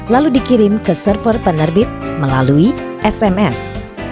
lalu dikirim ke server penerbit melalui sms